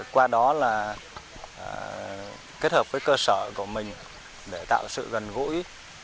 qua đó là kết hợp với cơ sở của mình để tạo sự gần gũi